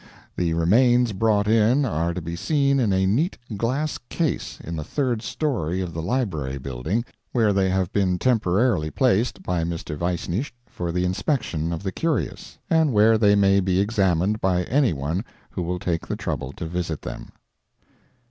The remains brought in are to be seen in a neat glass case in the third story of the Library Building, where they have been temporarily placed by Mr. Weisnicht for the inspection of the curious, and where they may be examined by any one who will take the trouble to visit them.